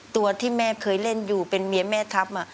ตัวที่แม่เคยเล่นอยู่เป็นเมียแม่ทัพ